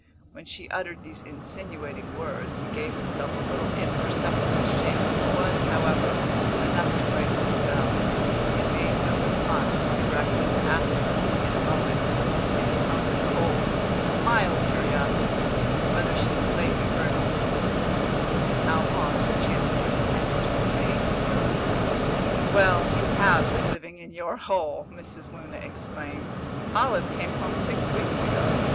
when she uttered these insinuating words he gave himself a little imperceptible shake, which was, however, enough to break the spell, and made no response more direct than to ask her, in a moment, in a tone of cold, mild curiosity, whether she had lately heard from her sister, and how long Miss Chancellor intended to remain in Europe. "Well, you have been living in your hole!" Mrs. Luna exclaimed. "Olive came home six weeks ago.